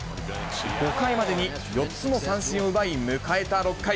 ５回までに４つの三振を奪い、迎えた６回。